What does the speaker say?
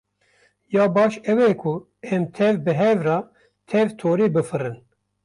Ya baş ew e ku em tev bi hev re tev torê bifirin.